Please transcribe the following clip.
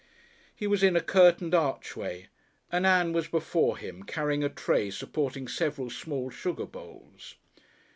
He was in a curtained archway, and Ann was before him carrying a tray supporting several small sugar bowls.